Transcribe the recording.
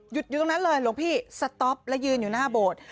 อยู่ตรงนั้นเลยหลวงพี่สต๊อปและยืนอยู่หน้าโบสถ์